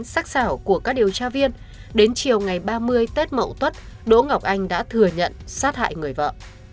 sắc xảo của các điều tra viên đến chiều ngày ba mươi tết mậu tuất đỗ ngọc anh đã thừa nhận sát hại người vợ